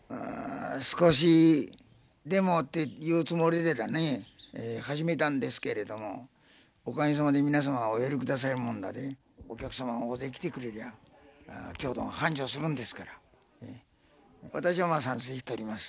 少しでもっていうつもりでだね始めたんですけれどもおかげさまで皆様がお寄りくださるもんだでお客様が大勢来てくれりゃ郷土が繁盛するんですから私はまあ賛成しとります。